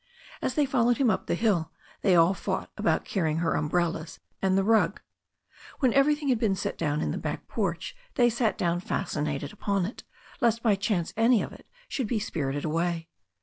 As they followed him up the hill, they all fought about carrying her umbrellas and the rug. When everything had been set down in the back porch they sat down fascinated upon it, lest by chance any of it should be spirited away.